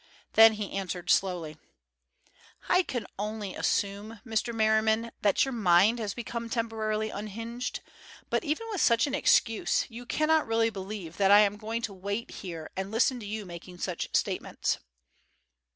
Then he answered slowly: "I can only assume, Mr. Merriman, that your mind has become temporarily unhinged, but even with such an excuse, you cannot really believe that I am going to wait here and listen to you making such statements."